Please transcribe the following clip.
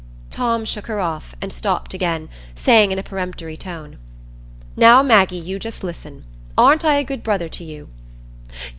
Tom shook her off, and stopped again, saying in a peremptory tone, "Now, Maggie, you just listen. Aren't I a good brother to you?"